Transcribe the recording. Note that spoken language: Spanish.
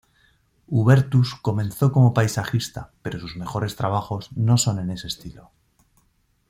Hubertus comenzó como paisajista pero sus mejores trabajos no son en ese estilo.